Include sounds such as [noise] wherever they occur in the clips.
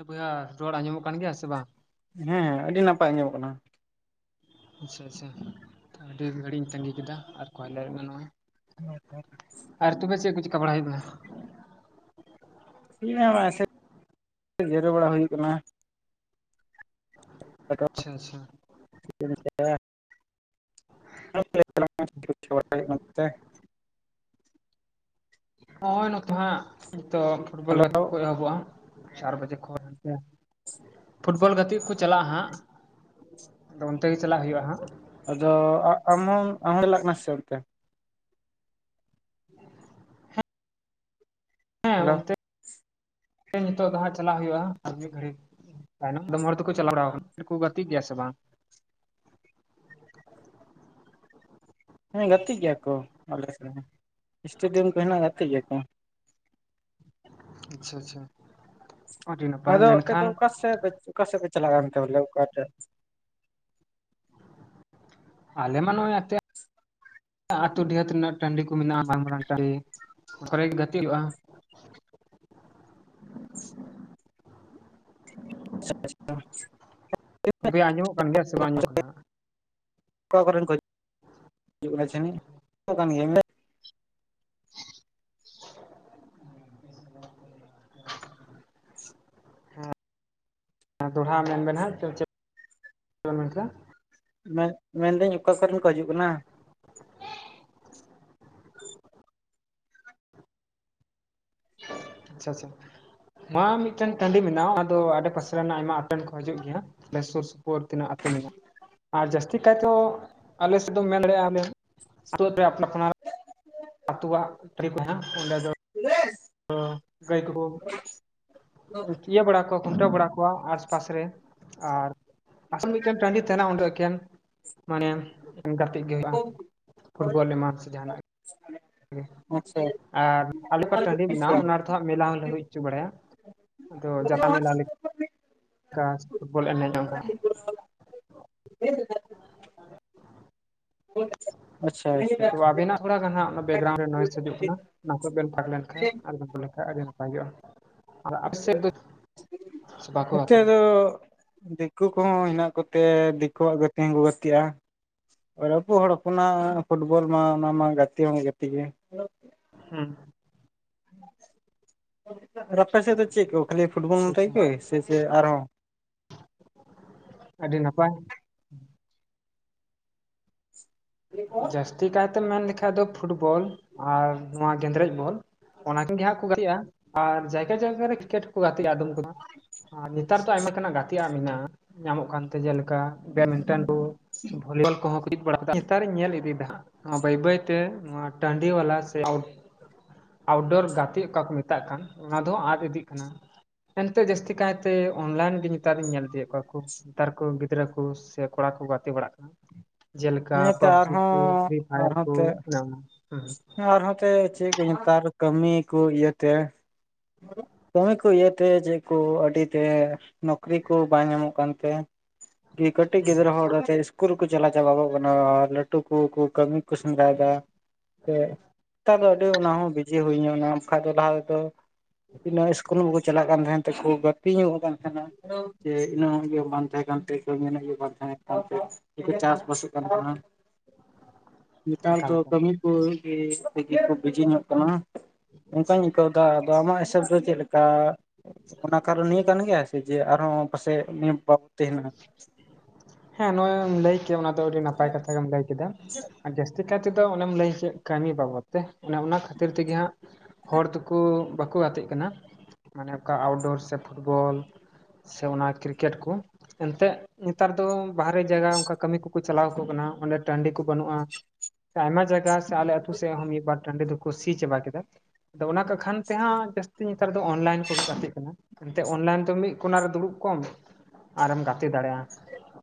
ᱦᱮᱸ ᱵᱚᱭᱦᱟ ᱨᱚᱲ ᱟᱸᱡᱚᱢᱚᱜ ᱠᱟᱱ ᱜᱮᱭᱟ ᱥᱮ ᱵᱟᱝ? ᱦᱮᱸ ᱟᱹᱰᱤ ᱱᱟᱯᱟᱭ ᱟᱸᱟᱢᱚᱜ ᱠᱟᱱᱟ ᱾ ᱟᱪᱪᱷᱟ ᱟᱪᱪᱷᱟ ᱟᱹᱰᱤ ᱜᱷᱟᱹᱲᱤᱡ ᱤᱧ ᱛᱟᱺᱜᱤ ᱠᱮᱫᱟ ᱟᱨ ᱠᱚᱞ ᱦᱮᱡᱱᱟ ᱱᱚᱜᱼᱚᱭ ᱾ [unintelligible] ᱟᱨ ᱛᱚᱵᱮ ᱪᱮᱫ ᱠᱚ ᱪᱮᱠᱟ ᱵᱟᱲᱟᱭ ᱦᱩᱭᱩᱜ ᱠᱟᱱᱟ? ᱪᱮᱫ ᱦᱚᱸ ᱵᱟᱝ [unintelligible] ᱡᱤᱨᱟᱹ ᱵᱟᱲᱟ ᱦᱩᱭᱩᱜ ᱠᱟᱱᱟ ᱾ [unintelligible] ᱟᱪᱪᱷᱟ ᱟᱪᱪᱷᱟ [unintelligible] [unintelligible] ᱛᱮ ᱱᱚᱜᱼᱚᱭ ᱱᱚᱛᱮ ᱦᱟᱸᱜ ᱱᱤᱛᱚᱜ ᱯᱷᱩᱴᱵᱚᱞ ᱦᱮᱞᱳ ᱜᱟᱛᱮ ᱠᱚ ᱮᱦᱚᱵᱚᱜᱼᱟ ᱪᱟᱨ ᱵᱟᱡᱮ ᱠᱷᱚᱱ ᱯᱷᱩᱴᱵᱚᱞ ᱜᱟᱛᱮᱜ ᱠᱚ ᱪᱟᱞᱟᱜᱼᱟ ᱦᱟᱸᱜ ᱟᱫᱚ ᱚᱱᱛᱮ ᱜᱮ ᱪᱟᱞᱟᱜ ᱦᱩᱭᱩᱜᱼᱟ ᱦᱟᱸᱜ ᱾ ᱟᱫᱚ ᱟᱢᱦᱚᱢ ᱟᱢᱦᱚᱢ ᱪᱟᱞᱟᱜ ᱠᱟᱱᱟ ᱥᱮ ᱚᱱᱛᱮ? ᱦᱮᱸ ᱦᱮᱞᱳ ᱚᱱᱛᱮ ᱱᱤᱛᱚᱜ ᱫᱚ ᱦᱟᱸᱜ ᱪᱟᱞᱟᱜ ᱦᱩᱭᱩᱜᱼᱟ ᱟᱨ ᱢᱤᱫ ᱜᱷᱟᱹᱲᱤᱠ ᱛᱟᱭᱱᱚᱢ ᱟᱫᱚᱢ ᱦᱚᱲ ᱫᱚᱠᱚ ᱪᱟᱞᱟᱣ ᱵᱟᱲᱟ ᱠᱟᱱᱟ ᱜᱟᱛᱮᱜ ᱜᱮᱭᱟ ᱥᱮ ᱵᱟᱝ? ᱦᱮᱸ ᱜᱟᱛᱮᱜ ᱜᱮᱭᱟ ᱠᱚ ᱟᱞᱮ ᱥᱮᱫ ᱦᱚᱸ ᱮᱥᱴᱮᱰᱤᱭᱟᱢ ᱠᱚ ᱦᱮᱱᱟᱜ ᱜᱟᱛᱮᱜ ᱜᱮᱭᱟ ᱠᱚ ᱾ ᱟᱪᱪᱷᱟ ᱟᱪᱪᱷᱟ ᱟᱹᱰᱤ ᱱᱟᱯᱟᱭ ᱟᱫᱚ ᱟᱯᱮ ᱫᱚ ᱢᱮᱱᱠᱷᱟᱱ ᱚᱠᱟ ᱥᱮᱫ ᱚᱠᱟ ᱥᱮᱫ ᱯᱮ ᱪᱟᱞᱟᱜ ᱠᱟᱱᱛᱮ ᱵᱚᱞᱮ ᱚᱠᱟᱛᱮ ᱟᱞᱮ ᱢᱟ ᱱᱚᱜᱼᱚᱭ ᱟᱯᱮᱭᱟᱜ ᱟᱹᱛᱩ ᱰᱤᱦᱟᱹᱛ ᱨᱮᱱᱟᱜ ᱴᱟᱺᱰᱤ ᱠᱚ ᱢᱮᱱᱟᱜᱼᱟ ᱢᱟᱨᱟᱝ ᱢᱟᱨᱟᱝ ᱴᱟᱺᱰᱤ ᱚᱱᱟ ᱠᱚᱨᱮᱜᱮ ᱜᱟᱛᱮᱜ ᱦᱩᱭᱩᱜᱼᱟ ᱾ [unintelligible] ᱜᱚᱝᱠᱮ ᱟᱸᱡᱚᱜ ᱠᱟᱱ ᱜᱮᱭᱟ ᱥᱮ ᱵᱟᱝ ᱟᱡᱚᱢᱚᱜ ᱠᱟᱱᱟ? ᱚᱠᱟ ᱠᱚᱨᱮᱱ ᱦᱤᱡᱩᱜ ᱠᱟᱱᱟ [unintelligible] [inaudible] ᱦᱮᱸ ᱫᱚᱲᱦᱟ ᱢᱮᱱᱵᱮᱱ ᱦᱟᱜ ᱪᱮᱫ ᱵᱮᱱ ᱢᱮᱱ ᱠᱮᱫᱟ? ᱢᱮᱱ ᱢᱮᱱᱫᱟᱹᱧ ᱚᱠᱟ ᱠᱚᱨᱮᱱ ᱠᱚ ᱦᱤᱡᱩᱜ ᱠᱟᱱᱟ? ᱟᱪᱪᱷᱟ ᱟᱪᱪᱷᱟ ᱢᱟ ᱢᱤᱫᱴᱮᱱ ᱴᱟᱺᱰᱤ ᱢᱮᱱᱟᱜᱼᱟ ᱟᱫᱚ ᱟᱰᱮ ᱯᱟᱥᱮᱱᱟᱜ ᱟᱭᱢᱟ ᱟᱛᱮᱱ ᱠᱚ ᱦᱤᱡᱩᱜ ᱜᱮᱭᱟ ᱾ ᱟᱞᱮ ᱥᱳᱨ ᱥᱳᱯᱳᱨ ᱛᱤᱱᱟᱹᱜ ᱟᱹᱛᱩ ᱢᱮᱱᱟᱜᱼᱟ ᱾ ᱟᱨ ᱡᱟᱹᱥᱛᱤ ᱠᱟᱭ ᱛᱮᱦᱚ ᱟᱞᱮ ᱥᱮᱫ ᱫᱚ ᱢᱮᱱ ᱫᱟᱲᱮᱭᱟᱜᱼᱟ ᱟᱞᱮ ᱟᱛᱳ [unintelligible] ᱟᱛᱣᱟᱜ ᱴᱨᱤ ᱠᱚ ᱦᱮᱱᱟᱸᱜ ᱚᱸᱰᱮ ᱫᱚ [unintelligible] ᱜᱟᱹᱭ ᱠᱚᱠᱚ ᱤᱭᱟᱹ ᱵᱟᱲᱟ ᱠᱚᱣᱟ ᱠᱷᱩᱱᱴᱟᱹᱣ ᱵᱟᱲᱟ ᱠᱚᱣᱟ ᱟᱨ ᱯᱟᱥ ᱨᱮ ᱟᱨ ᱟᱥ ᱢᱤᱫᱴᱮᱱ ᱴᱟᱺᱰᱤ ᱛᱟᱦᱮᱱᱟ ᱩᱰᱮ ᱮᱠᱮᱱ ᱢᱟᱱᱮ ᱜᱟᱛᱮᱜ ᱜᱮ ᱦᱩᱭᱩᱜᱼᱟ ᱯᱷᱩᱴᱵᱚᱞ ᱮᱢᱟᱱ ᱥᱮ ᱡᱟᱦᱟᱱᱟᱜ ᱜᱮ ᱾ [inaudible] ᱟᱪᱪᱷᱟ ᱟᱨ ᱟᱞᱮ ᱠᱚ ᱴᱟᱹᱰᱤ ᱢᱮᱱᱟᱜᱼᱟ ᱚᱱᱟᱼᱼ ᱦᱟᱜ ᱢᱮᱞᱟ ᱦᱚᱸᱞᱮ ᱦᱩᱭ ᱦᱚᱪᱚ ᱵᱟᱲᱟᱭᱟ ᱟᱫᱚ ᱡᱟᱛᱟ ᱢᱮᱞᱟᱼᱼ ᱯᱷᱩᱴᱵᱚᱞ ᱮᱱᱮᱡ ᱡᱚᱝᱼᱟ ᱾ [unintelligible] ᱟᱪᱪᱷᱟ ᱟᱪᱪᱷᱟ ᱛᱚ ᱟᱵᱤᱱᱟᱜ ᱛᱷᱚᱲᱟ ᱠᱟᱱᱟ ᱵᱮᱠᱜᱨᱟᱣᱩᱱᱰ ᱨᱮ ᱱᱚᱮᱥ ᱦᱤᱡᱩᱜ ᱠᱟᱱᱟ ᱚᱱᱟ ᱠᱚ ᱵᱮᱱ ᱯᱟᱸᱠ ᱞᱮᱱᱠᱟᱱᱡ ᱟᱨᱵᱮᱱ ᱜᱚᱞ ᱞᱮᱠᱟᱱ ᱟᱹᱰᱤ ᱱᱟᱯᱟᱭᱚᱜᱼᱟ ᱾ ᱟᱨ [unintelligible] ᱵᱟᱠᱛᱮ ᱱᱤᱛᱚᱜ ᱫᱚ ᱫᱤᱠᱩ ᱠᱚᱦᱚᱸ ᱦᱮᱱᱟᱜ ᱠᱚᱛᱮ ᱫᱤᱠᱩᱣᱟᱜ ᱜᱟᱛᱮ ᱦᱚᱸ ᱠᱚ ᱜᱟᱛᱮᱜᱼᱟ᱾ ᱟᱨ ᱟᱵᱚ ᱦᱚᱲ ᱦᱚᱯᱚᱱᱟᱜ ᱯᱷᱩᱴᱵᱚᱞ ᱢᱟ ᱚᱱᱟ ᱢᱟ ᱜᱟᱛᱮ ᱦᱚᱸ ᱜᱟᱛᱮ ᱜᱮ ᱾ ᱦᱩᱸ ᱟᱨ ᱟᱯᱮ ᱥᱮᱫ ᱫᱚ ᱪᱮᱫ ᱠᱚ ᱠᱷᱟᱹᱞᱤ ᱯᱷᱩᱴᱵᱚᱞ ᱟᱪᱪᱷᱟ ᱟᱪᱪᱷᱟ ᱢᱚᱛᱚᱜᱮ ᱥᱮ ᱥᱮ ᱟᱨᱦᱚᱸ᱾ ᱟᱹᱰᱤ ᱱᱟᱯᱟᱭ [unintelligible] ᱡᱟᱹᱥᱛᱤ ᱠᱟᱭᱛᱮᱢ ᱢᱮᱱ ᱞᱮᱠᱷᱟᱡ ᱫᱚ ᱯᱷᱩᱴᱵᱚᱞ ᱟᱨ ᱱᱚᱣᱟ ᱜᱮᱸᱫᱽᱨᱮᱡ ᱵᱚᱞ ᱾ ᱚᱱᱟ ᱠᱤᱱ ᱜᱮ ᱦᱟᱸᱜ ᱠᱚ ᱜᱟᱛᱮᱜᱼᱟ ᱟᱨ ᱡᱟᱭᱜᱟ ᱡᱟᱭᱜᱟ ᱠᱨᱤᱼᱼ ᱜᱟᱛᱮᱜᱼᱟ ᱟᱫᱚᱢ ᱠᱚ ᱟᱨ ᱱᱮᱛᱟᱨ ᱫᱚ ᱟᱭᱢᱟ ᱞᱮᱠᱟᱱᱟᱜ ᱜᱟᱛᱮᱜ ᱢᱮᱱᱟᱜᱼᱟ ᱾ ᱧᱟᱢᱚᱜ ᱠᱟᱱᱛᱮ ᱡᱮᱞᱮᱠᱟ ᱵᱮᱰᱢᱤᱱᱴᱚᱱ ᱠᱚ ᱥᱮ ᱵᱷᱚᱞᱵᱚᱞ ᱠᱚ ᱾ ᱱᱮᱛᱟᱨᱤᱧ ᱧᱮᱞ ᱤᱫᱤᱭᱮᱫᱟ ᱵᱟᱹᱭ ᱵᱟᱹᱭᱛᱮ ᱱᱚᱣᱟ ᱴᱟᱹᱰᱤ ᱵᱟᱞᱟ ᱥᱮ ᱟᱣᱩᱴᱰᱳᱨ ᱜᱟᱛᱮᱜ ᱚᱠᱟ ᱠᱚ ᱢᱮᱛᱟᱜ ᱠᱟᱱ ᱚᱱᱟ ᱫᱚ ᱟᱫ ᱤᱫᱤᱜ ᱠᱟᱱᱟ᱾ ᱮᱱᱛᱮᱜ ᱡᱟᱹᱥᱛᱤ ᱠᱟᱭᱛᱮ ᱚᱱᱞᱟᱭᱤᱱ ᱜᱮ ᱾ ᱱᱮᱛᱟᱨᱧ ᱧᱮᱞ ᱤᱫᱤᱭᱮᱫ ᱠᱚᱣᱟ ᱱᱮᱛᱟᱨ ᱠᱚ ᱜᱤᱫᱽᱨᱟᱹ ᱠᱚ ᱥᱮ ᱠᱚᱲᱟ ᱠᱚ ᱜᱟᱛᱮ ᱵᱟᱲᱟᱜ ᱠᱟᱱᱟ ᱾ ᱡᱮᱞᱮᱠᱟ ᱦᱮᱸᱛᱚ ᱯᱚᱵᱡᱤ ᱟᱨᱦᱚᱸ ᱠᱚ ᱯᱷᱨᱤ ᱯᱷᱟᱭᱟᱨ ᱠᱚ ᱚᱱᱮ ᱚᱱᱟ ᱠᱚ ᱾ ᱟᱨᱦᱚᱸᱚᱛ ᱪᱮᱫ ᱠᱚ ᱱᱮᱛᱟᱨ ᱠᱟᱹᱢᱤ ᱠᱚ ᱤᱭᱟᱹᱛᱮᱼᱼ ᱠᱟᱹᱢᱤ ᱠᱚ ᱤᱭᱟᱹᱛᱮ ᱡᱮᱫ ᱠᱚ ᱟᱹᱰᱤ ᱛᱮ ᱱᱚᱠᱨᱤ ᱠᱚ ᱵᱟᱝ ᱧᱟᱢᱚᱜ ᱠᱟᱱᱛᱮ᱾ ᱠᱟᱴᱤᱡ ᱦᱩᱸ ᱜᱤᱫᱨᱟᱹ ᱦᱚ ᱤᱥ ᱠᱩᱞ ᱠᱚ ᱪᱟᱞᱟᱣ ᱪᱟᱵᱟᱚᱜ ᱠᱟᱱᱟ ᱟᱨ ᱞᱟᱹᱴᱩ ᱠᱚ ᱠᱟᱹᱢᱤ ᱠᱚ ᱥᱮᱸᱫᱽᱨᱟᱭᱮᱫᱟ᱾ ᱥᱮ ᱱᱮᱛᱟᱨ ᱫᱚ ᱟᱹᱰᱤ ᱚᱱᱟ ᱦᱚᱸ ᱵᱤᱡᱤ ᱦᱩᱭᱧᱟᱹ ᱚᱱᱟ ᱵᱟᱠᱷᱟ ᱫᱚ ᱞᱟᱦᱟ ᱛᱮᱫᱚ ᱛᱤᱱᱟᱹᱜ ᱤᱥᱠᱩᱞ ᱦᱚᱸᱠᱚ ᱪᱟᱞᱟᱜ ᱠᱟᱱ ᱛᱟᱦᱮᱸᱫ ᱛᱮᱠᱚ ᱜᱟᱛᱮ ᱧᱚᱜ ᱠᱟᱱ᱾ ᱱᱟᱠᱷᱟᱱ ᱤᱱᱟᱹ ᱵᱟᱝ ᱛᱟᱦᱮᱸ ᱠᱟᱱ ᱛᱟᱭ ᱤᱛᱟᱹ ᱠᱚ ᱵᱟᱝ ᱛᱟᱦᱮ ᱠᱟᱱᱛᱮ ᱪᱟᱥ ᱵᱟᱥ ᱠᱟᱱ ᱱᱮᱛᱟᱨ ᱮᱠᱟᱞ ᱫᱚ ᱮᱠᱟᱞ ᱠᱟᱹᱢᱤ ᱠᱚᱜᱮ ᱛᱮᱜᱮ ᱠᱚ ᱵᱤᱡᱤ ᱧᱚᱜ ᱠᱟᱱᱟ᱾ ᱟᱱᱠᱟᱧ ᱟᱹᱭᱠᱟᱹᱣᱮᱫᱟ ᱟᱫᱚ ᱟᱢᱟᱜ ᱦᱤᱥᱟᱹᱵᱽ ᱫᱚ ᱪᱮᱫ ᱞᱮᱠᱟ? ᱚᱱᱟ ᱠᱟᱨᱚᱱ ᱱᱤᱭᱟᱹ ᱠᱟᱱ ᱜᱮᱭᱟ ᱥᱮ ᱡᱮ ᱟᱨᱦᱚᱸ ᱯᱟᱥᱮᱡ ᱱᱤᱭᱟᱹ ᱵᱟᱵ ᱛᱟᱦᱮᱱᱟ᱾ ᱦᱮᱸ ᱱᱚᱜᱼᱚᱭ ᱮᱢ ᱞᱟᱹᱭ ᱠᱮ ᱚᱱᱟ ᱫᱚ ᱟᱹᱰᱤ ᱱᱟᱯᱟᱭ ᱠᱟᱛᱷᱟ ᱜᱮᱢ ᱞᱟᱹᱭ ᱠᱮᱫᱟ᱾ ᱟᱨ ᱡᱟᱹᱥᱛᱤ ᱠᱟᱭ ᱛᱮᱫᱚ ᱚᱱᱮᱢ ᱞᱟᱹᱭ ᱠᱮᱫ ᱠᱟᱹᱢᱤ ᱵᱟᱵᱚᱫ ᱛᱮ ᱚᱱᱮ ᱚᱱᱟ ᱠᱷᱟᱹᱛᱤᱨ ᱛᱮᱜᱮ ᱦᱟᱸᱜ᱾ ᱦᱚᱲ ᱫᱚᱠᱚ ᱵᱟᱠᱚ ᱜᱟᱛᱮᱜ ᱠᱟᱱᱟ᱾ ᱢᱟᱱᱮ ᱚᱠᱟ ᱟᱣᱩᱴᱰᱳᱨ ᱥᱮ ᱯᱷᱩᱴᱵᱚᱞ ᱥᱮ ᱚᱱᱟ ᱠᱨᱤᱠᱮᱴ ᱠᱚ ᱮᱱᱛᱮᱜ ᱱᱮᱛᱟᱨ ᱫᱚ ᱵᱟᱦᱨᱮ ᱡᱟᱭᱜᱟ ᱚᱱᱠᱟ ᱠᱟᱹᱢᱤ ᱠᱚᱠᱚ ᱪᱟᱞᱟᱣ ᱠᱚ ᱠᱟᱱᱟ ᱚᱸᱰᱮ ᱴᱟᱺᱰᱤ ᱠᱚ ᱵᱟᱹᱱᱩᱜᱼᱟ᱾ ᱟᱭᱢᱟ ᱡᱟᱭᱜᱟ ᱥᱮ ᱟᱞᱮ ᱟᱛᱩ ᱥᱮᱫ ᱦᱚᱸ ᱢᱤᱫᱵᱟᱨ ᱴᱟᱺᱰᱮ ᱫᱚᱠᱚ ᱥᱤ ᱪᱟᱵᱟ ᱠᱮᱫᱟ᱾ ᱟᱫᱚ ᱚᱱᱟ ᱠᱚᱠᱷᱟᱱ ᱛᱮᱦᱟᱸᱜ ᱡᱟᱹᱥᱛᱤ ᱱᱮᱛᱟᱨ ᱫᱚ ᱚᱱᱞᱟᱭᱤᱱ ᱠᱚᱠᱚ ᱜᱟᱛᱮᱜ ᱠᱟᱱᱟ᱾ ᱮᱱᱛᱮᱫ ᱚᱱᱞᱟᱭᱤᱱ ᱫᱚ ᱢᱤᱫ ᱠᱚᱱᱟ ᱨᱮ ᱫᱩᱲᱩᱵ ᱠᱚᱢ ᱟᱨᱮᱢ ᱜᱟᱛᱮ ᱫᱟᱲᱮᱭᱟᱜᱼᱟ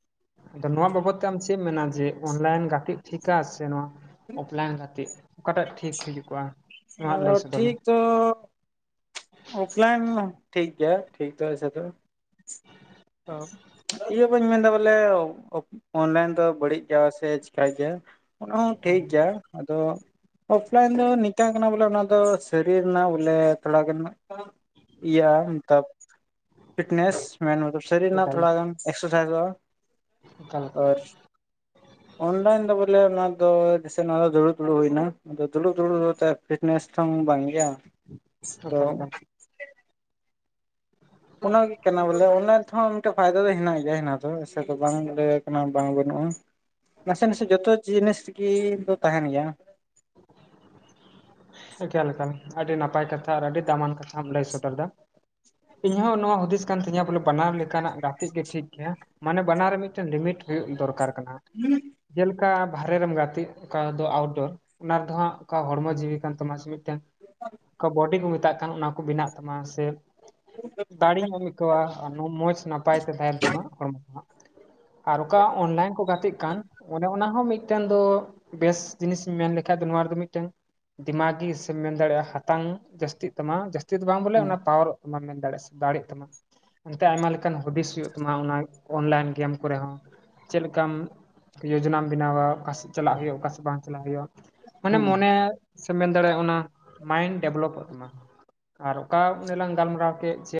᱾ ᱟᱫᱚ ᱱᱚᱣᱟ ᱵᱟᱵᱚᱛ ᱛᱮ ᱟᱢ ᱪᱮᱫ ᱮᱢ ᱢᱮᱱᱟ? ᱡᱮ ᱚᱱᱞᱟᱭᱤᱱ ᱜᱟᱛᱮᱜ ᱴᱷᱤᱠᱟ ᱥᱮ ᱱᱚᱣᱟ ᱚᱯᱞᱟᱭᱤᱱ ᱜᱟᱛᱮᱜ ᱚᱠᱟᱴᱟᱜ ᱴᱷᱤᱠ ᱦᱤᱡᱩᱜᱚᱜᱼᱟ ᱱᱚᱣᱟ ᱞᱟᱹᱭ ᱥᱚᱫᱚᱨ ᱢᱮ᱾ ᱛᱚ ᱚᱯᱷᱞᱟᱭᱤᱱ ᱴᱷᱤᱠ ᱜᱮᱭᱟ ᱾ᱴᱷᱤᱠ ᱫᱚ ᱥᱮ ᱫᱚ ᱾ ᱦ [unintelligible] ᱤᱭᱟᱹ ᱵᱟᱹᱧ ᱢᱮᱱᱫᱟ ᱵᱚᱞᱮ, ᱚᱱᱞᱟᱭᱤᱱ ᱫᱚ ᱵᱟᱹᱲᱤᱡ ᱜᱮᱭᱟ ᱾ᱥᱮ ᱪᱤᱠᱟ ᱜᱮᱭᱟ᱾ ᱚᱱᱟ ᱦᱚᱸ ᱴᱷᱤᱠ ᱜᱮᱭᱟ᱾ ᱟᱫᱚ ᱚᱯᱷᱞᱟᱭᱤᱱ ᱫᱚ ᱱᱤᱝᱟᱜ ᱠᱟᱱᱟ ᱵᱚᱞᱮ ᱚᱱᱟ ᱫᱚᱸ ᱥᱟᱨᱤ ᱨᱮᱱᱟᱜ ᱵᱚᱞᱮ ᱛᱷᱽᱚᱲᱟᱜᱟᱱ ᱨᱮᱱᱟᱜ ᱠᱤᱭᱟ ᱟᱱᱠᱟ ᱯᱷᱤᱴᱱᱥ ᱢᱮ ᱥᱟᱹᱨᱤ ᱨᱮᱱᱟᱜ ᱮᱠᱟᱞ ᱛᱷᱚᱲᱟ ᱜᱟᱱ ᱮᱠᱥᱥᱟᱭ ᱮᱠᱟᱞ ᱮᱠᱟᱞ ᱥᱟᱭᱤᱡ [inaudible] ᱚᱱᱞᱟᱹᱭᱤᱱ ᱫᱚ ᱵᱚᱞᱮ ᱚᱱᱟ ᱫᱚ᱾ ᱡᱮᱥᱮ ᱫᱩᱲᱩᱵ - ᱫᱩᱲᱩᱵ ᱦᱩᱭ ᱮᱱᱟ ᱫᱩᱲᱩᱵ ᱫᱩᱲᱩᱵ ᱚᱛᱮᱫ᱾ ᱯᱷᱤᱴᱱᱮᱥ ᱛᱚᱝ ᱵᱟᱝ ᱜᱮᱭᱟ᱾ ᱟᱫᱚ [unintelligible] ᱚᱱᱟᱜᱮ ᱠᱟᱱᱟ ᱵᱚᱞᱮ ᱚᱱᱟ ᱛᱮᱦᱚᱸ ᱢᱤᱫᱴᱮᱱ ᱯᱷᱽᱟᱭᱫᱟ ᱫᱚᱸ ᱦᱮᱱᱟᱜ ᱜᱮᱭᱟ᱾ ᱦᱮᱱᱟᱜ ᱫᱚᱸ ᱚᱥᱮ ᱫᱚᱸ ᱵᱟᱝ ᱞᱟᱹᱭ ᱠᱟᱱᱟ ᱵᱟᱝ ᱵᱟᱹᱱᱩᱜᱼᱟ᱾ ᱱᱟᱥᱮ - ᱱᱟᱥᱮ ᱡᱚᱛᱚ ᱡᱤᱱᱤᱥ ᱜᱮ ᱫᱚᱸ ᱛᱟᱦᱮᱱ ᱜᱮᱭᱟ᱾ ᱦᱟᱝ ᱮᱠᱟᱞ - ᱮᱠᱟᱞ ᱟᱹᱰᱤ ᱱᱟᱯᱟᱭ ᱠᱟᱛᱷᱟ᱾ ᱟᱨ ᱟᱹᱰᱤ ᱫᱽᱟᱢᱟᱱ ᱠᱟᱛᱷᱟᱢ ᱞᱟᱹᱭ ᱥᱚᱫᱽᱚᱨ ᱫᱟ᱾ ᱤᱧ ᱦᱚᱸ ᱱᱚᱣᱟ ᱦᱩᱫᱤᱥ ᱠᱟᱱ ᱛᱤᱧᱟᱹ ᱵᱚᱞᱮ, ᱵᱟᱱᱟᱣ ᱞᱮᱠᱟᱱᱟ-ᱜ ᱜᱟᱛᱮᱜ ᱜᱮ ᱴᱷᱤᱠ ᱜᱮᱭᱟ᱾ ᱢᱟᱱᱮ ᱵᱟᱱᱟᱨ ᱨᱮ ᱢᱤᱫᱴᱮᱸᱱ ᱞᱤᱢᱤᱴ ᱦᱩᱭᱩᱼᱜ ᱫᱚᱨᱠᱟᱨ ᱠᱟᱱᱟ᱾ ᱦᱩᱸ ᱡᱮᱞᱮᱠᱟ ᱵᱟᱨᱦᱮ ᱨᱮᱢ ᱜᱟᱛᱮᱜ ᱚᱠᱟ ᱫᱚᱸ ᱟᱣᱩᱴᱸᱰᱳᱨ ᱚᱱᱟ ᱨᱮᱫᱚ ᱦᱟᱸᱜ ᱚᱠᱟ ᱦᱚᱲᱢᱚ ᱡᱤᱣᱤ ᱠᱟᱱ ᱛᱟᱢᱟ᱾ ᱥᱮ ᱢᱤᱫ ᱴᱟᱝ ᱚᱠᱟ ᱵᱚᱰᱤᱸ ᱠᱚ ᱢᱮᱛᱟᱜ ᱠᱟᱱ ᱚᱱᱟ ᱠᱚ ᱵᱮᱱᱟ-ᱜ ᱛᱟᱢᱟ ᱥᱮ ᱫᱟᱲᱮᱸ ᱦᱚᱢ ᱮᱹᱭᱠᱟᱹᱣᱟ ᱟᱨ ᱢᱚᱸᱡᱽᱷ ᱱᱟᱯᱟᱭ ᱛᱮ ᱛᱟᱦᱮᱱ ᱛᱟᱢᱟ᱾ ᱦᱽᱚᱲᱢᱚ ᱠᱷᱚᱱᱟᱜ ᱟᱨ ᱚᱠᱟ ᱚᱱᱞᱟᱭᱤᱱ ᱠᱚ ᱜᱟᱛᱮᱜ ᱠᱟᱱ, ᱚᱱᱮ ᱚᱱᱟ ᱦᱚᱸ ᱢᱤᱫ ᱢᱤᱫᱴᱮᱱ ᱫᱚᱸ ᱵᱮᱥ ᱡᱤᱱᱤᱥ ᱤᱧᱸ ᱢᱮᱱ ᱞᱮ ᱠᱷᱟᱡ ᱫᱚ ᱱᱚᱣᱟ ᱨᱮᱫᱚ ᱢᱤᱫᱴᱮᱱ ᱫᱤᱢᱟᱜᱤ ᱥᱮᱢ ᱢᱮᱱ ᱫᱟᱲᱮᱭᱟᱜᱼᱟ᱾ ᱦᱟᱛᱟᱝ ᱡᱟᱹᱥᱛᱤᱜ ᱛᱟᱢᱟ᱾ ᱡᱟᱹᱥᱛᱤ ᱫᱚᱸ ᱵᱟᱝ ᱵᱚᱞᱮ ᱦᱩᱸ ᱚᱱᱟ ᱯᱟᱣᱟᱨ ᱵᱟᱢ ᱢᱮᱱ ᱫᱟᱲᱮᱭᱟᱼᱜ ᱥᱮ ᱫᱟᱲᱮᱜ ᱛᱟᱢᱟ᱾ ᱚᱱᱛᱮ ᱟᱭᱢᱟ ᱞᱮᱠᱟᱱ ᱦᱚᱵᱤᱥ ᱦᱩᱭᱩᱜ ᱛᱟᱢᱟ᱾ ᱚᱱᱟ ᱚᱱᱞᱟᱭᱤᱱ ᱜᱮᱢ ᱠᱚᱨᱮ ᱦᱚᱸ ᱪᱮᱫ ᱞᱮᱠᱟᱢ ᱡᱳᱡᱚᱱᱟᱢ ᱵᱮᱱᱟᱣᱼᱟ᱾ ᱚᱠᱟ ᱥᱮᱪ ᱪᱟᱞᱟᱜ ᱦᱩᱭᱩᱜᱼᱟ᱾ ᱚᱠᱟ ᱥᱮ ᱵᱟᱝ ᱪᱟᱞᱟᱜ ᱦᱩᱭᱩᱜᱼᱟ ᱾ ᱢᱟᱱᱮ ᱦᱮᱸ ᱢᱚᱱᱮ ᱥᱮ ᱢᱮᱱ ᱫᱟᱲᱮᱭᱟᱜᱼᱟ᱾ ᱚᱱᱟ ᱢᱟᱭᱤᱱᱰ ᱰᱮᱵᱷᱽᱞᱚᱯᱚ-ᱜ ᱛᱟᱢᱟ ᱾ ᱟᱨ ᱚᱠᱟ ᱩᱱᱮ ᱞᱟᱝ ᱜᱟᱞᱢᱟᱨᱟ-ᱣ ᱠᱮᱫ ᱪᱮ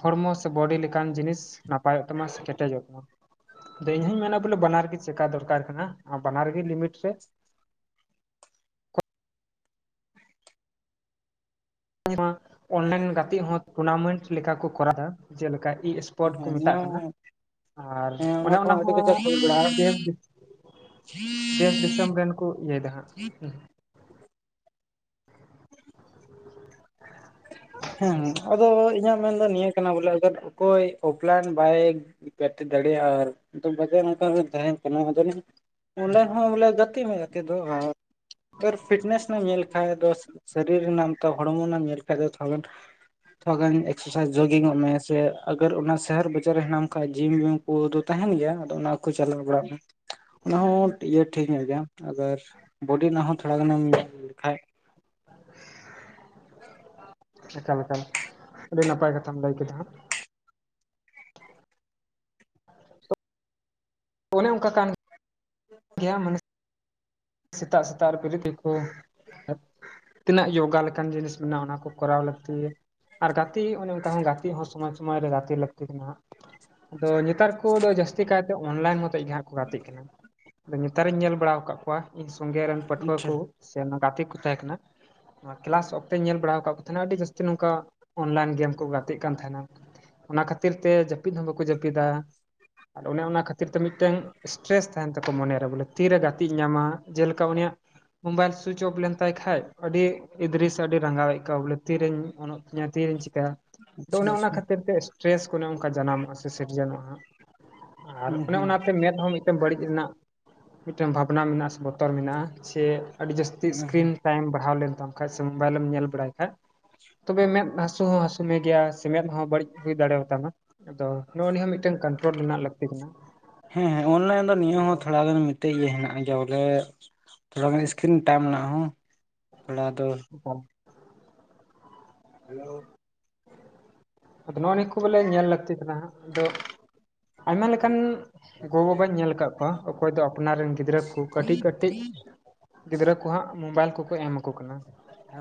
ᱦᱚᱲᱢᱚ ᱥᱮ ᱵᱚᱰᱤᱸ ᱞᱮᱠᱟᱱ ᱡᱤᱱᱤᱥ, ᱱᱟᱯᱟᱭᱚ-ᱜ ᱛᱟᱢᱟ᱾ ᱥᱮ ᱠᱮᱴᱮᱡᱚ-ᱜ ᱛᱟᱢᱟ ᱟᱫᱚ ᱤᱧ ᱦᱚᱧ ᱢᱮᱱᱟ ᱾ ᱵᱚᱞᱮ ᱵᱟᱱᱟᱨᱜᱤ ᱪᱮᱠᱟ ᱫᱚᱨᱠᱟᱨ ᱠᱟᱱᱟ᱾ ᱵᱟᱱᱟᱨᱜᱤ ᱞᱤᱢᱤᱴ ᱨᱮ ᱚᱱᱞᱟᱭᱤᱱ ᱜᱟᱛᱮᱜ ᱦᱚᱸ ᱴᱩᱸᱨᱱᱟᱢᱮᱱᱴᱸ ᱞᱮᱠᱟ ᱠᱚ ᱠᱚᱨᱟᱣ ᱮᱫᱟ᱾ ᱡᱮᱞᱮᱠᱟ ᱤ ᱮᱥ ᱯᱚᱴ ᱠᱚ ᱦᱮᱸ ᱢᱮᱛᱟᱜ ᱱᱤᱭᱟᱹ ᱠᱟᱱᱟ᱾ ᱟᱨ ᱦᱮᱸ ᱚᱱᱮ ᱚᱱᱟ ᱠᱚᱦᱚᱸ ᱟᱹᱰᱤ ᱦᱚᱸ ᱠᱟᱡᱟᱠ ᱦᱩᱭ ᱵᱟᱲᱟᱜᱼᱟ ᱫᱮᱥ ᱫᱮᱥ ᱫᱤᱥᱚᱢ ᱨᱮᱱ ᱠᱚ ᱤᱭᱟᱹᱭᱮᱫᱟ᱾ ᱦᱟᱸᱜᱼᱼ ᱟᱪᱪᱷᱟ ᱦᱮᱸ ᱟᱪᱪᱷᱟ ᱟᱫᱚ ᱤᱧᱟᱹᱜ ᱢᱮᱱᱫᱚ ᱱᱤᱭᱟᱹ ᱠᱟᱱᱟ᱾ ᱵᱚᱞᱮ ᱚᱠᱚᱭ ᱚᱯᱞᱟᱱ ᱵᱟᱭᱤᱠ [unintelligible] ᱫᱟᱲᱮᱭᱟᱜᱼᱟ᱾ ᱟᱨ ᱵᱟᱡᱟᱨ ᱱᱚᱠᱟ ᱛᱟᱦᱮᱱ ᱠᱟᱱᱟ᱾ ᱚᱱᱞᱟᱭᱤᱱ ᱦᱚᱸ ᱵᱚᱞᱮ ᱜᱟᱛᱮ ᱢᱮ ᱜᱟᱛᱮ ᱫᱚ᱾ ᱯᱷᱮᱨ ᱯᱷᱤᱴᱱᱮᱥ ᱧᱮᱞ ᱠᱷᱟᱡ ᱫᱚ᱾ ᱥᱚᱨᱤᱨ ᱨᱮᱱᱟᱜ ᱛᱚ ᱦᱚᱲᱢᱳᱱᱟᱢ ᱧᱮᱞ ᱠᱷᱟᱭ ᱫᱚ ᱛᱚᱞᱮᱱ ᱛᱷᱚᱲᱟ ᱜᱟᱱ ᱮᱠᱥᱟᱨᱥᱟᱭᱤᱡᱽ ᱡᱳᱜᱤᱝ ᱚᱜ ᱢᱮ᱾ ᱥᱮ ᱟᱜᱚᱨ ᱚᱱᱟ ᱥᱚᱦᱚᱨ ᱵᱟᱡᱟᱨ ᱨᱮ ᱦᱮᱱᱟᱢ ᱠᱷᱟᱡ ᱾ ᱡᱤᱢᱼᱤᱢ ᱠᱚᱫᱚ ᱛᱟᱦᱮᱱ ᱜᱮᱭᱟ ᱾ ᱟᱫᱚ ᱚᱱᱟ ᱠᱚ ᱪᱟᱞᱟᱣ ᱵᱟᱲᱟᱜᱼᱢᱮ ᱚᱱᱟ ᱦᱚᱸ ᱤᱭᱟᱹ ᱴᱷᱤᱠ ᱧᱚᱜ ᱜᱮᱭᱟ᱾ ᱟᱵᱟᱨ ᱵᱚᱰᱤᱸ ᱨᱮᱱᱟᱜ ᱦᱚᱸ ᱛᱷᱚᱲᱟ ᱜᱟᱱᱮᱢ [unintelligible] ᱧ ᱞᱮᱠᱷᱟᱡ ᱮᱠᱟᱞ, ᱮᱠᱟᱞ ᱟᱹᱰᱤ ᱱᱟᱯᱟᱭ ᱠᱟᱛᱷᱟᱢ ᱞᱟᱹᱭ ᱠᱮᱫᱟ᱾ ᱦᱟᱸᱜ ᱮ ᱩᱱᱠᱟ ᱠᱟᱱ ᱜᱮᱭᱟ᱾ᱢᱟᱱ ᱥᱮᱛᱟᱜ - ᱥᱤᱛᱟᱜ ᱨᱮ ᱵᱥᱨᱥᱫ ᱨᱮ ᱠᱚ ᱛᱤᱱᱟᱹᱜ ᱭᱳᱜᱟ ᱞᱮᱠᱟᱱ ᱡᱤᱱᱤᱥ ᱢᱮᱱᱟᱜᱼᱟ ᱚᱱᱟ ᱠᱚ ᱠᱚᱨᱟᱣ ᱞᱟᱹᱠᱛᱤ ᱜᱮᱭᱟ᱾ ᱟᱨ ᱜᱟᱛᱤ ᱚᱱᱮ ᱚᱱᱠᱟ ᱜᱟᱛᱤ ᱦᱚᱸ ᱥᱚᱢᱚᱭ ᱥᱚᱢᱚᱭ ᱨᱮ ᱜᱟᱛᱤ ᱞᱟᱹᱠᱛᱤ ᱠᱟᱱᱟ ᱦᱟᱸᱜ᱾ ᱟᱫᱚ ᱱᱮᱛᱟᱨ ᱠᱚᱫᱚ ᱡᱟᱹᱥᱛᱤ ᱠᱟᱭᱛᱮ ᱚᱱᱞᱟᱭᱤᱱ ᱢᱚᱛᱚ ᱜᱮ ᱦᱟᱸᱜ ᱠᱚ ᱜᱟᱛᱤᱜ ᱠᱟᱱᱟ᱾ ᱱᱮᱛᱟᱨᱤᱧ ᱧᱮᱞ ᱵᱟᱲᱟᱣ ᱟᱠᱟᱫ ᱠᱚᱣᱟ ᱤᱧ ᱥᱚᱸᱜᱮ ᱨᱮᱱ ᱯᱟᱹᱴᱷᱩᱣᱟᱹ ᱟᱪᱪᱷᱟ ᱠᱚ ᱥᱮ ᱜᱟᱛᱮ ᱠᱚ ᱛᱟᱦᱮᱸ ᱠᱟᱱᱟ᱾ ᱠᱮᱞᱟᱥ ᱚᱠᱛᱮᱧ ᱧᱮᱞ ᱵᱟᱲ ᱟᱠᱟᱫ ᱠᱚ ᱛᱟᱦᱮᱱᱟ ᱟᱹᱰᱤ ᱡᱟᱹᱥᱛᱤ ᱱᱚᱝᱠᱟ ᱚᱱᱞᱟᱭᱤᱱ ᱜᱮᱢ ᱠᱚ ᱜᱟᱛᱮᱜ ᱠᱟᱱ ᱛᱟᱦᱮᱸᱱᱟ᱾ ᱚᱱᱟ ᱠᱷᱟᱹᱛᱤᱨ ᱛᱮ ᱡᱟᱹᱯᱤᱫ ᱦᱚᱸ ᱵᱟᱠᱚ ᱡᱟᱹᱯᱤᱫ ᱫᱟ, ᱟᱨ ᱚᱱᱮ ᱚᱱᱟ ᱠᱷᱟᱹᱛᱤᱨ ᱛᱮ ᱢᱤᱫᱴᱟᱝ ᱥᱴᱨᱮᱥ ᱛᱟᱦᱮᱱ ᱛᱟᱠᱚᱭᱟ ᱢᱚᱱᱮᱨᱮ, ᱵᱚᱞᱮ ᱛᱤᱨᱮ ᱜᱟᱛᱤᱜ ᱧᱟᱢᱟ ᱡᱮᱞᱮᱠᱟ ᱩᱱᱤᱭᱟᱜ ᱢᱳᱵᱟᱭᱤᱞ ᱥᱩᱭᱤᱪ ᱚᱯᱷ ᱞᱮᱱᱛᱟᱭ ᱠᱷᱟᱡ ᱟᱹᱰᱤ ᱤᱫᱨᱤ ᱥᱮ ᱟᱹᱰᱤ ᱨᱟᱸᱜᱟᱣ ᱮ ᱟᱹᱭᱠᱟᱹᱣᱟ ᱵᱚᱞᱮ ᱛᱤᱨᱮᱧ ᱛᱤᱨᱮᱧ ᱪᱤᱠᱟᱭᱟ᱾ ᱟᱫᱚ ᱟᱪᱪᱷᱟ ᱚᱱᱮ ᱚᱱᱟ ᱟᱪᱪᱷᱟ ᱠᱷᱟᱹᱛᱤᱨ ᱛᱮ ᱥᱴᱨᱮᱥ ᱠᱚ ᱚᱱᱠᱟ ᱡᱟᱱᱟᱢᱚᱜᱼᱟ ᱥᱮ ᱥᱤᱨᱡᱚᱱᱚᱜᱼᱟ᱾ ᱟᱨ ᱦᱩᱸ ᱚᱱᱮ ᱦᱩᱸ ᱚᱱᱟᱛᱮ ᱢᱮᱫ ᱦᱚᱸ ᱢᱤᱫᱴᱮᱱ ᱵᱟᱹᱲᱤᱡ ᱨᱮᱱᱟᱜ ᱢᱤᱫᱴᱮᱱ ᱵᱷᱟᱵᱽ ᱱᱟ ᱢᱮᱱᱟᱜᱼᱟ ᱥᱮ ᱵᱚᱛᱚᱨ ᱢᱮᱱᱟᱜᱼᱟ ᱥᱮ ᱟᱹᱰᱤ ᱡᱟᱹᱥᱛᱤ ᱥᱤᱥᱠᱨᱤᱱ ᱦᱮᱸ ᱴᱟᱭᱤᱢ ᱵᱟᱲᱦᱟᱣ ᱞᱮᱱᱛᱟᱢ ᱠᱷᱟᱡ ᱥᱮ ᱢᱳᱵᱟᱭᱤᱞᱢ ᱧᱮᱞ ᱵᱟᱲᱟᱭ ᱠᱷᱟᱡ᱾ ᱛᱚᱵᱮ ᱢᱮᱫ ᱦᱟᱥᱩ ᱦᱚᱸ ᱦᱟᱥᱩ ᱢᱮᱜᱮᱭᱟ, ᱥᱮ ᱢᱮᱸᱫ ᱦᱚᱸ ᱵᱟᱹᱲᱤᱡ ᱦᱩᱭ ᱫᱟᱲᱮᱭᱟ ᱛᱟᱢᱟ᱾ ᱟᱫᱚ ᱱᱚᱜᱼᱚ ᱱᱤᱭᱟᱹ ᱦᱚᱸ ᱢᱤᱫᱴᱟᱝ ᱠᱚᱱᱴᱨᱳᱞ ᱨᱮᱱᱟᱜ ᱞᱟᱹᱠᱛᱤ ᱠᱟᱱᱟ᱾ ᱦᱮᱸ ᱦᱮᱸ ᱚᱱᱞᱟᱭᱤᱱ ᱫᱚ ᱱᱤᱭᱟᱹ ᱦᱚᱸ ᱛᱷᱚᱲᱟ ᱜᱟᱱ ᱢᱤᱫᱴᱮᱡ ᱜᱮ ᱦᱮᱱᱟᱜ ᱡᱮ ᱤᱭᱟᱹ ᱵᱚᱞᱮ, ᱛᱷᱚᱲᱟ ᱜᱟᱱ ᱤᱥᱠᱨᱤᱱ ᱴᱟᱭᱤᱢ ᱨᱮᱱᱟᱜ ᱦᱚᱸ ᱛᱷᱚᱲᱟ ᱫᱚ᱾ ᱦᱚᱯᱚᱱ ᱦᱮᱞᱳ, ᱟᱫᱚ ᱱᱚᱜᱼᱚᱭ ᱱᱤᱭᱟᱹ ᱠᱚ ᱵᱚᱞᱮ ᱧᱮᱞ ᱞᱟᱹᱠᱛᱤ ᱠᱟᱱᱟ ᱦᱟᱜ ᱟᱫᱚ ᱟᱭᱢᱟ ᱞᱮᱠᱟᱱ ᱜᱚ ᱵᱟᱵᱟᱧ ᱧᱮᱞ ᱟᱠᱟᱫ ᱠᱚᱣᱟ ᱚᱠᱚᱭ ᱫᱚ ᱟᱯᱱᱟᱨ ᱨᱮᱱ ᱜᱤᱫᱽᱨᱟᱹ ᱠᱚ ᱠᱟᱹᱴᱤᱡ ᱠᱟᱹᱴᱤᱡ ᱜᱤᱫᱽᱨᱟᱹ ᱠᱚ ᱦᱟᱸᱜ ᱢᱳᱵᱟᱭᱤᱞ ᱠᱚᱠᱚ ᱮᱢ ᱟᱠᱚ ᱠᱟᱱᱟ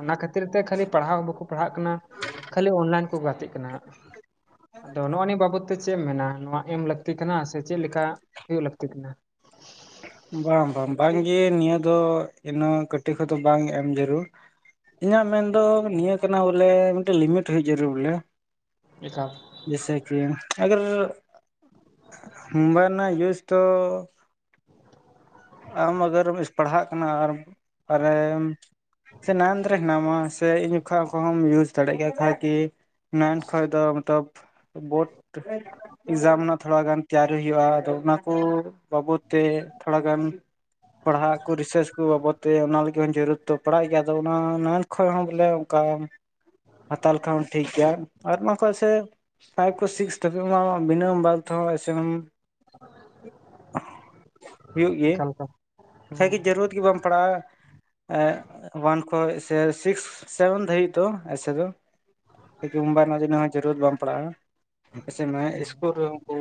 ᱚᱱᱟ ᱠᱷᱟᱹᱛᱤᱨ ᱛᱮ ᱠᱷᱟᱹᱞᱤ ᱯᱟᱲᱦᱟᱣ ᱵᱟᱠᱚ ᱯᱟᱲᱦᱟᱜ ᱠᱟᱱᱟ᱾ ᱠᱷᱟᱹᱞᱤ ᱚᱱᱞᱟᱭᱤᱱ ᱠᱚ ᱜᱟᱛᱮᱜ ᱠᱟᱱᱟ ᱟᱫᱚ ᱱᱚᱜᱼᱚ ᱱᱤᱭᱟᱹ ᱵᱟᱵᱚᱫ ᱛᱮ ᱪᱮᱫ ᱮᱢ ᱢᱮᱱᱟ ᱱᱚᱣᱟ ᱮᱢ ᱞᱟᱹᱠᱛᱤ ᱠᱟᱱᱟ ᱥᱮ ᱪᱮᱫ ᱞᱮᱠᱟ ᱦᱩᱭᱩᱜ ᱞᱟᱹᱠᱛᱤ ᱠᱟᱱᱟ? ᱵᱟᱝ ᱵᱟᱝ, ᱵᱟᱝ ᱜᱮ ᱱᱤᱭᱟᱹ ᱫᱚ ᱤᱱᱟᱹ ᱠᱟᱹᱴᱤᱡ ᱠᱷᱚᱱ ᱫᱚ ᱵᱟᱝ ᱮᱢ ᱡᱟᱹᱨᱩᱲ᱾ ᱤᱧᱟᱹᱜ ᱢᱮᱱ ᱫᱚ ᱱᱤᱭᱟᱹ ᱠᱟᱱᱟ ᱵᱚᱞᱮ ᱢᱤᱫᱴᱮᱱ ᱞᱤᱢᱤᱴ ᱦᱳᱭ ᱡᱟᱹᱨᱩᱨ ᱵᱚᱞᱮ᱾ ᱮᱠᱟᱞ, ᱡᱮᱥᱮ ᱠᱤ ᱟᱜᱟᱨ ᱢᱳᱵᱟᱭᱤᱞ ᱨᱮᱱᱟᱜ ᱤᱭᱩᱥ ᱫᱚ ᱟᱢ ᱟᱜᱟᱨᱮᱢ ᱥ ᱯᱟᱲᱦᱟᱜ ᱠᱟᱱᱟ, ᱟᱨ ᱟᱨᱮᱢ ᱥᱮ ᱱᱟᱱᱫᱽ ᱨᱮ ᱦᱮᱱᱟᱢᱟ ᱥᱮ ᱤᱧ ᱠᱷᱚ ᱠᱚᱦᱚᱸᱢ ᱤᱭᱩᱡᱽ ᱫᱟᱲᱮᱭᱟᱜ ᱜᱮᱭᱟ ᱠᱷᱟᱭ ᱠᱤ ᱢᱮᱱ ᱠᱷᱚᱡ ᱫᱚ ᱢᱚᱛᱞᱚᱵ ᱵᱳᱨᱰ ᱮᱠᱡᱟᱢ ᱨᱮᱱᱟᱜ ᱛᱷᱚᱲᱟ ᱜᱟᱱ ᱛᱮᱭᱟᱨᱤ ᱦᱩᱭᱩᱜᱼᱟ ᱟᱫᱚ ᱚᱱᱟᱠᱩ, ᱵᱟᱵᱚᱫ ᱛᱮ ᱛᱷᱚᱲᱟ ᱜᱟᱱ ᱯᱟᱲᱦᱟᱜ ᱠᱚ ᱨᱤᱥᱟᱨᱪ ᱠᱚ ᱵᱟᱵᱚᱛ ᱛᱮ ᱚᱱᱟ ᱞᱟᱹᱜᱤᱫ ᱦᱚᱸ ᱡᱟᱹᱨᱩᱲ ᱫᱚ ᱯᱟᱲᱦᱟᱜ ᱜᱮᱭᱟ᱾ ᱟᱫᱚ ᱚᱱᱟ ᱚᱱᱟ ᱠᱷᱚᱡ ᱦᱚᱸ ᱵᱚᱞᱮ ᱚᱱᱠᱟ ᱦᱟᱛᱟᱣ ᱞᱮᱠᱷᱟᱱ ᱦᱚᱸ ᱴᱷᱤᱠ ᱜᱮᱭᱟ, ᱟᱨ ᱱᱚᱣᱟ ᱠᱚ ᱠᱷᱚᱡ ᱥᱮ ᱯᱷᱟᱭᱤᱵᱽ ᱠᱷᱚᱡ ᱥᱤᱠᱥ ᱫᱷᱟᱵᱤᱡ ᱢᱟ ᱢᱤᱱᱤᱢᱟᱢ ᱵᱟᱫᱷᱳ ᱮᱥᱮ ᱦᱩᱭᱩᱜ ᱜᱮ ᱮᱠᱟᱞ ᱮᱠᱟᱞ ᱠᱷᱟᱡᱜᱮ ᱡᱟᱹᱨᱩ ᱨᱟᱛ ᱜᱮ ᱵᱟᱢ ᱯᱟᱲᱟᱜᱼᱟ᱾ ᱳᱚᱣᱟᱱ ᱠᱷᱚᱡ ᱥᱮ ᱥᱤᱠᱥ ᱥᱮᱵᱷᱮᱱ ᱫᱷᱟᱵᱤᱡ ᱫᱚ ᱮᱥᱮ ᱫᱚ ᱮᱠᱮ ᱦᱚᱸ ᱢᱳᱵᱟᱭᱤᱞ ‌ᱨᱮᱬᱟᱜ ᱡᱟᱹᱨᱩᱲ ᱵᱟᱝ ᱯᱟᱲᱟᱜᱼᱟ᱾ ᱟᱯᱟᱥᱮᱜ ᱢᱮ ᱤᱥᱠᱩᱞ ᱨᱮᱦᱚᱸ ᱠᱚ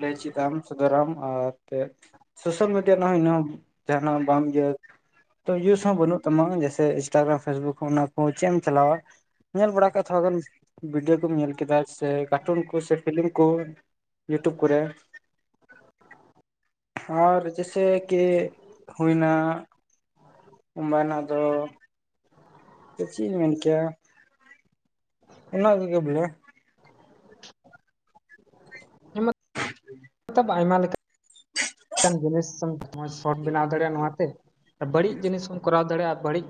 ᱞᱟᱹᱭ ᱪᱮᱫᱟᱢ, ᱥᱚᱫᱷᱚᱨᱟᱢ ᱟᱨ ᱮᱱᱛᱮᱫ ᱥᱳᱥᱟᱞ ᱢᱤᱰᱤᱭᱟ ᱱᱟ ᱦᱚᱭ ᱤᱱᱟᱹ ᱡᱟᱦᱱᱟᱜ ᱵᱟᱢ ᱤᱠᱟᱹ ᱛᱚ ᱤᱭᱩᱥ ᱦᱚᱸ ᱵᱟᱹᱱᱩᱜ ᱛᱟᱢᱟ ᱡᱮᱥᱮ ᱤᱱᱥᱴᱟᱜᱨᱟᱢ ᱯᱷᱮᱥᱵᱩᱠ ᱚᱱᱟ ᱠᱚ ᱪᱮᱫ ᱮᱢ ᱪᱟᱞᱟᱣᱟ, ᱧᱮᱞ ᱵᱟᱲᱟᱭ ᱠᱷᱟᱢ ᱟᱢ ᱛᱷᱚᱲᱟ ᱜᱟᱱ ᱵᱷᱤᱰᱭᱳ ᱠᱚᱢ ᱧᱮᱞ ᱠᱮᱫᱟ᱾ ᱥᱮ ᱠᱟᱴᱩᱱ ᱠᱚ ᱥᱮ ᱯᱷᱤᱞᱤᱢ ᱠᱚ ᱤᱭᱩᱴᱩᱵᱽ ᱠᱚᱨᱮ᱾ ᱟᱨ, ᱡᱮᱥᱮ ᱠᱤ ᱦᱩᱭ ᱮᱱᱟ, ᱢᱟᱱᱟ ᱫᱚ ᱪᱮᱫ ᱤᱧ ᱢᱮᱱ ᱠᱮᱭᱟ, ᱚᱱᱟ ᱠᱚᱜᱮ ᱵᱚᱞᱮ ᱪᱷᱮᱼ ᱾ ᱛᱚ, ᱟᱭᱢᱟ ᱞᱮᱠᱟ ᱠᱟᱱ ᱡᱤᱱᱤᱥ ᱮᱢ, ᱢᱚᱡᱽ ᱥᱚᱴ ᱵᱮᱱᱟᱣ ᱫᱟᱲᱮᱭᱟᱜᱼᱟ ᱱᱚᱣᱟ ᱛᱮ, ᱵᱟᱹᱲᱤᱡ ᱡᱤᱱᱤᱥ ᱦᱚᱢ, ᱠᱚᱨᱟᱣ ᱫᱟᱲᱮᱭᱟᱜᱼᱟ, ᱵᱟᱹᱲᱤᱡ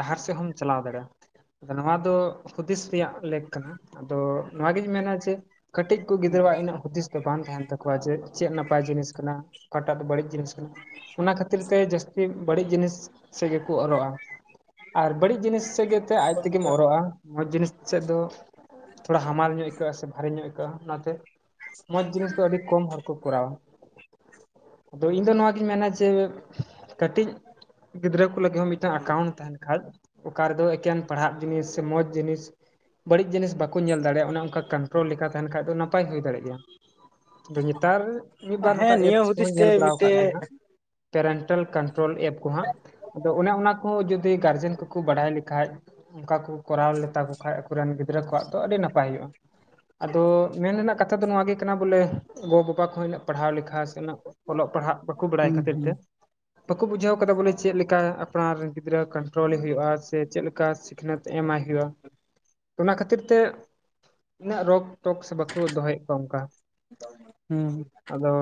ᱰᱟᱦᱟᱨ ᱥᱮᱫ ᱦᱚᱢ, ᱪᱟᱞᱟᱣ ᱫᱟᱲᱮᱭᱟᱜᱼᱟ ᱾ ᱟᱫᱚ, ᱱᱚᱣᱟ ᱫᱚ ᱦᱩᱫᱤᱥ ᱨᱮᱭᱟᱜ, ᱞᱮᱠ ᱠᱟᱱᱟ ᱾ ᱟᱫᱚ, ᱱᱚᱣᱟᱜᱤᱧ ᱢᱮᱱᱟ, ᱡᱮ, ᱠᱟᱹᱴᱤᱡ ᱠᱚ, ᱜᱤᱫᱽᱨᱟᱹᱣᱟᱜ ᱤᱱᱟᱹᱜ, ᱦᱩᱫᱤᱥ ᱵᱟᱝ ᱛᱟᱦᱮᱸᱱ ᱛᱟᱠᱚᱣᱟ, ᱡᱮ, ᱪᱮᱫ ᱱᱟᱯᱟᱭ ᱡᱤᱱᱤᱥ ᱠᱟᱱᱟ ᱾ ᱚᱠᱟᱴᱟᱜ ᱫᱚ, ᱵᱟᱹᱲᱤᱡ ᱡᱤᱱᱤᱥ ᱠᱟᱱᱟ, ᱚᱱᱟ ᱠᱷᱟᱹᱛᱤᱨ ᱛᱮ, ᱡᱟᱹᱥᱛᱤ ᱵᱟᱹᱲᱤᱡ ᱡᱤᱱᱤᱥ ᱥᱮᱜ, ᱜᱮᱠᱚ ᱚᱨᱚᱜᱼᱟ ᱾ ᱟᱨ, ᱵᱟᱹᱲᱤᱡ ᱡᱤᱱᱤᱥ ᱥᱮᱜ ᱜᱮ, ᱟᱡ ᱛᱮᱜᱮᱢ ᱚᱨᱚᱜᱼᱟ ᱾ ᱢᱚᱡᱽ ᱡᱤᱱᱤᱥ ᱥᱮᱫ ᱫᱚ, ᱛᱷᱚᱲᱟ, ᱦᱟᱢᱟᱞ ᱧᱚᱜ ᱟᱹᱭᱠᱟᱹᱜᱼᱟ, ᱥᱮ, ᱵᱷᱟᱨᱤ ᱧᱚᱜ ᱟᱹᱭᱠᱟᱹᱜᱼᱟ, ᱚᱱᱟᱛᱮ ᱢᱚᱸᱡᱽ ᱡᱤᱱᱤᱥ ᱫᱚ, ᱟᱹᱰᱤ ᱠᱚᱢ ᱦᱚᱲ ᱠᱚ, ᱠᱚᱨᱟᱣᱟ ᱾ ᱟᱫᱚ, ᱤᱧ ᱫᱚ ᱱᱚᱣᱟ ᱜᱤᱧ ᱢᱮᱱᱟ, ᱡᱮ, ᱠᱟᱹᱴᱤᱡ ᱜᱤᱫᱽᱨᱟᱹ ᱠᱚ, ᱞᱟᱹᱜᱤᱫ ᱦᱚᱸ, ᱢᱤᱫᱴᱟᱝ ᱮᱠᱟᱣᱩᱱᱴ ᱛᱟᱦᱮᱸᱱ ᱠᱷᱟᱡ, ᱚᱠᱟ ᱨᱮᱫᱚ, ᱮᱠᱮᱱ ᱯᱟᱲᱦᱟᱜ ᱡᱤᱱᱤᱥ, ᱥᱮ, ᱢᱚᱡᱽ ᱡᱤᱱᱤᱥ ᱵᱟᱹᱲᱤᱡ ᱡᱤᱱᱤᱥ ᱵᱟᱠᱚ, ᱧᱮᱞ ᱫᱟᱲᱮᱭᱟᱜᱼᱟ, ᱚᱱᱮ, ᱚᱱᱠᱟ ᱠᱚᱱᱴᱨᱳᱞ ᱞᱮᱠᱟ, ᱛᱟᱦᱮᱱ ᱠᱷᱟᱡ ᱫᱚ, ᱚᱱᱟ ᱱᱟᱯᱟᱭ ᱦᱩᱭ ᱫᱟᱲᱮᱭᱟᱜ ᱜᱮᱭᱟ, ᱱᱮᱛᱟᱨ, ᱢᱤᱫ ᱵᱟᱨ ᱱᱚᱝᱠᱟ, ᱦᱮᱸ ᱱᱤᱭᱟᱹ ᱮᱯᱥ ᱦᱩᱫᱤᱥ ᱠᱚᱦᱚᱧ ᱛᱮ ᱧᱮᱞ ᱵᱟᱲᱟ, ᱟᱠᱟᱫ ᱢᱤᱫᱴᱮᱡ ᱜᱮᱭᱟ, ᱦᱟᱸᱜ ᱾ ᱯᱮᱨᱮᱱᱴᱟᱞ ᱠᱚᱱᱴᱨᱳᱞ ᱮᱯ ᱠᱚ ᱦᱟᱸᱜ, ᱟᱫᱚ, ᱚᱱᱮ ᱚᱱᱟ ᱠᱚᱦᱚᱸ, ᱡᱩᱫᱤ ᱜᱟᱨᱡᱮᱱ ᱠᱚᱠᱚ, ᱵᱟᱰᱟᱭ ᱞᱮᱠᱷᱟᱡ ᱚᱱᱠᱟ ᱠᱚ, ᱠᱚᱨᱟᱣ ᱞᱮ ᱛᱟᱠᱚ ᱠᱷᱟᱱᱡ, ᱟᱠᱚᱨᱮᱱ, ᱜᱤᱫᱽᱨᱟᱹ ᱠᱚᱣᱟᱜ ᱫᱚ, ᱟᱹᱰᱤ ᱱᱟᱯᱟᱭ ᱦᱩᱭᱩᱜᱼᱟ ᱾ ᱟᱫᱚ, ᱢᱮᱱ ᱨᱮᱱᱟᱜ ᱠᱟᱛᱷᱟ ᱫᱚ, ᱱᱚᱣᱟ ᱜᱮ ᱠᱟᱱᱟ ᱵᱚᱞᱮ, ᱜᱚᱼᱵᱟᱵᱟ ᱠᱚᱦᱚᱸ, ᱩᱱᱟᱹᱜ ᱯᱟᱲᱦᱟᱣ ᱞᱮᱠᱷᱟ, ᱥᱮ, ᱩᱜ ᱚᱞᱚᱜ ᱯᱟᱲᱦᱟᱜ, ᱵᱟᱠᱚ ᱵᱟᱲᱟᱭ ᱦᱩᱸ ᱠᱷᱟᱹᱛᱤᱨ ᱦᱩᱸ ᱛᱮ ᱵᱟᱠᱚ ᱵᱩᱡᱷᱟᱹᱣ ᱟᱠᱟᱫᱟ, ᱵᱚᱞᱮ, ᱪᱮᱫ ᱞᱮᱠᱟ, ᱟᱯᱱᱟᱨ ᱨᱮᱱ ᱜᱤᱫᱽᱨᱟᱹ, ᱠᱚᱱᱴᱨᱳᱞᱮ ᱦᱩᱭᱩᱜᱼᱟ, ᱥᱮ, ᱪᱮᱫ ᱞᱮᱠᱟ ᱥᱤᱠᱷᱱᱟᱹᱛ ᱮᱢᱟᱭ ᱦᱩᱭᱩᱜᱼᱟ, ᱚᱱᱟ ᱠᱷᱟᱹᱛᱤᱨ ᱛᱮ, ᱤᱱᱟᱹᱜ ᱨᱳᱜᱽ ᱴᱚᱠᱥ ᱵᱟᱠᱚ ᱫᱚᱦᱚ, ᱭᱮᱫ ᱠᱚᱣᱟ ᱚᱱᱠᱟ ᱦᱩᱸ ᱾ ᱟᱫᱚ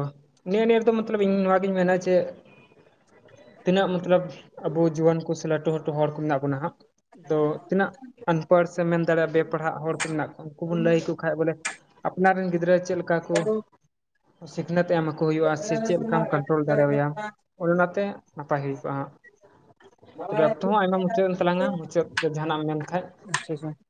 ᱱᱮᱜ ᱱᱤᱭᱟᱹ ᱨᱮ ᱫᱚ, ᱢᱚᱛᱞᱚᱵ ᱤᱧ, ᱱᱚᱣᱟ, ᱱᱚᱣᱟᱜᱤᱧ ᱢᱮᱱᱟ, ᱪᱮ ᱛᱤᱱᱟᱹᱜ ᱢᱚᱛᱞᱚᱵ, ᱟᱵᱚ ᱡᱩᱣᱟᱹᱱ ᱠᱚ, ᱥᱮ, ᱞᱟᱹᱴᱩ ᱞᱟᱹᱴᱩ ᱦᱚᱲ ᱠᱚ, ᱢᱮᱱᱟᱜ ᱵᱚᱱᱟ ᱦᱟᱸᱦ, ᱛᱚ, ᱛᱤᱱᱟᱹᱜ? ᱟᱱᱯᱟᱲ, ᱥᱮ, ᱢᱮᱱ ᱫᱟᱲᱮᱭᱟᱜᱼᱟ, ᱵᱮᱼ ᱯᱟᱲᱦᱟᱜ ᱦᱚᱲ ᱠᱚ, ᱢᱮᱱᱟᱜ ᱠᱚᱣᱟ, ᱩᱱᱠᱩ ᱵᱚᱱ, ᱞᱟᱹᱭ ᱟᱠᱚ ᱠᱷᱟᱡ ᱵᱚᱞᱮ, ᱟᱯᱱᱟᱨ ᱨᱮᱱ, ᱜᱤᱫᱽᱨᱟᱹ ᱪᱮᱫ ᱞᱮᱠᱟ ᱠᱚ, ᱥᱤᱠᱷᱱᱟᱹᱛ ᱮᱢ ᱠᱚ ᱦᱩᱭᱩᱜᱼᱟ, ᱥᱮ, ᱪᱮᱫ ᱞᱮᱠᱟᱢ ᱠᱚᱱᱴᱨᱳᱞ ᱫᱟᱲᱮᱣᱟᱭᱟ, ᱚᱱᱮ ᱚᱱᱟᱛᱮ, ᱱᱟᱯᱟᱭ ᱦᱩᱭᱜᱼᱟ ᱾ ᱛᱚᱵᱮ, ᱚᱠᱛᱚ ᱦᱚᱸ, ᱟᱭᱢᱟ ᱢᱩᱪᱟᱹᱫ ᱮᱱ ᱛᱟᱞᱟᱝᱼᱟ ᱾ ᱢᱩᱪᱟᱹᱫ ᱨᱮ, ᱡᱟᱦᱟᱸᱱᱟᱜ ᱮᱢ ᱢᱮᱱ ᱠᱷᱟᱡ? [unintelligible]